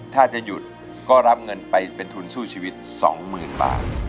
ถ้าจะหยุดก็รับเงินไปเป็นทุนสู้ชีวิต๒๐๐๐บาท